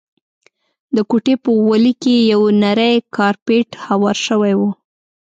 د کوټې په غولي کي یو نری کارپېټ هوار شوی وو.